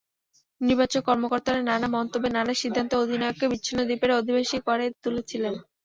নির্বাচক, কর্মকর্তারা নানা মন্তব্যে, নানা সিদ্ধান্তে অধিনায়ককে বিচ্ছিন্ন দ্বীপের অধিবাসী করে তুলেছিলেন।